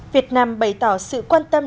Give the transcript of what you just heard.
việt nam bày tỏ sự quan tâm